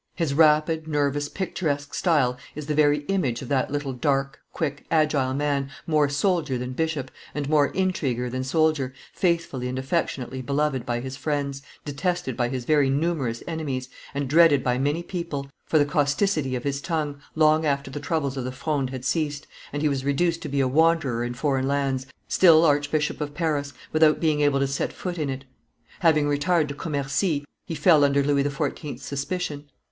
His rapid, nervous, picturesque style is the very image of that little dark, quick, agile man, more soldier than bishop, and more intriguer than soldier, faithfully and affectionately beloved by his friends, detested by his very numerous enemies, and dreaded by many people, for the causticity of his tongue, long after the troubles of the Fronde had ceased, and he was reduced to be a wanderer in foreign lands, still Archbishop of Paris without being able to set foot in it. Having retired to Commercy, he fell under Louis XIV.'s suspicion.